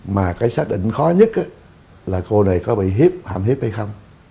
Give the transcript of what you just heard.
mà cái xác định khó nhất là cô này có bị hiếp hạm hiếp hay không